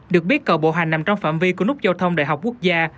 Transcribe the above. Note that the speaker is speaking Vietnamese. được biết cầu bộ hành nằm trong phạm vi của nút giao thông đại học quốc gia